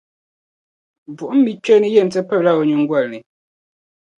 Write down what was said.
BuɣumMi'kpeeni yεn ti pirila o nyiŋgoli ni.